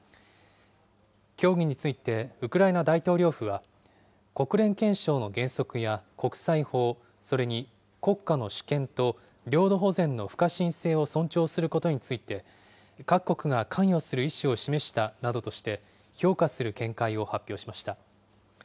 協議についてウクライナ大統領府は、国連憲章の原則や、国際法、それに国家の主権と領土保全の不可侵性を尊重することについて、各国が関与する意思を示したなどとして、評価する見解を発表しました。